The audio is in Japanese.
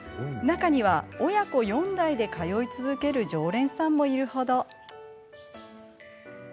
中には親子４代で通い続ける常連さんもいるほど。